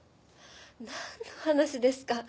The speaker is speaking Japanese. なんの話ですか？